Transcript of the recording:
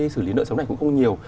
xử lý nợ xấu này cũng không nhiều